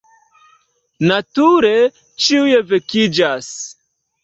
Nature, ĉiuj vekiĝas.